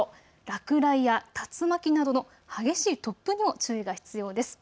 落雷や竜巻などの激しい突風にも注意が必要です。